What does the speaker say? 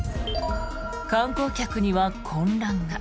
観光客には混乱が。